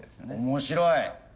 面白い。